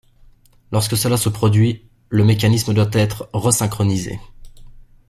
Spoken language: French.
Lorsque cela se produit, le mécanisme doit être resynchronisé.